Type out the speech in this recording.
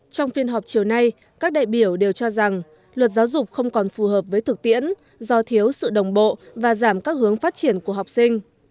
trong phiên họp chiều nay các đại biểu đều cho rằng luật giáo dục không còn phù hợp với thực tiễn do thiếu sự đồng bộ và giảm các hướng phát triển của học sinh